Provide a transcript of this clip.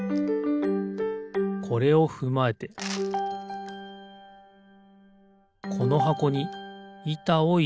これをふまえてこのはこにいたをいれる。